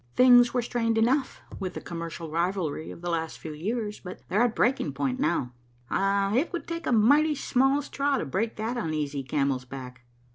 Things were strained enough with the commercial rivalry of the last few years, but they're at breaking point now. It would take a mighty small straw to break that uneasy camel's back."